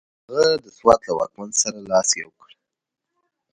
هغه د سوات له واکمن سره لاس یو کړ.